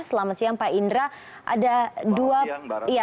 selamat siang pak indra